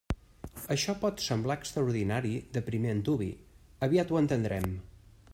Això pot semblar extraordinari de primer antuvi; aviat ho entendrem.